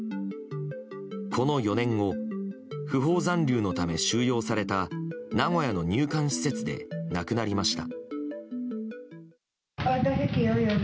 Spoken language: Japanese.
この４年後不法残留のため収容された名古屋の入管施設で亡くなりました。